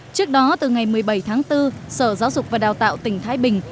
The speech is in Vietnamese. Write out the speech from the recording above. trước đó từ ngày một mươi bảy tháng bốn sở giáo dục và đào tạo tỉnh thái bình